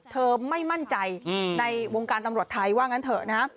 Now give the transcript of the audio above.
ไม่มั่นใจในวงการตำรวจไทยว่างั้นเถอะนะ